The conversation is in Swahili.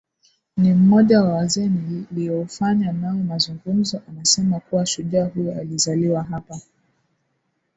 ni mmoja wa wazee niliofanya nao mazungumzo anasema kuwa shujaa huyo alizaliwa hapa